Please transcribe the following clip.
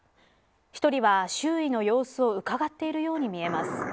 １人は周囲の様子をうかがっているようにみえます。